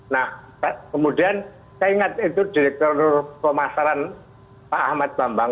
nah kemudian saya ingat itu direktur pemasaran pak ahmad bambang